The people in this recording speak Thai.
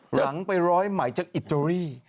หลังไปร้อยใหม่จากอิตาลี